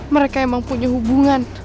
mereka emang punya hubungan